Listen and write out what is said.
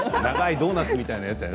ドーナツみたいなやつ？